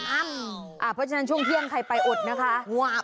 เพราะฉะนั้นช่วงเที่ยงใครไปอดนะคะ